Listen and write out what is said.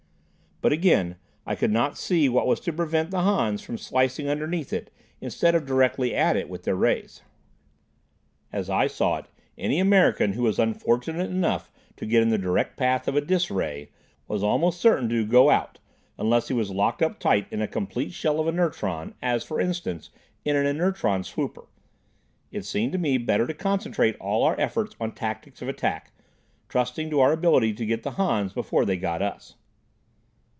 But again, I could not see what was to prevent the Hans from slicing underneath it, instead of directly at it, with their rays. As I saw it, any American who was unfortunate enough to get in the direct path of a "dis" ray, was almost certain to "go out," unless he was locked up tight in a complete shell of inertron, as for instance, in an inertron swooper. It seemed to me better to concentrate all our efforts on tactics of attack, trusting to our ability to get the Hans before they got us.